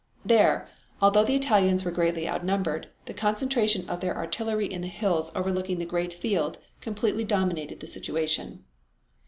There, although the Italians were greatly outnumbered, the concentration of their artillery in the hills overlooking the great field completely dominated the situation.